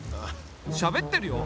しゃべってるよ。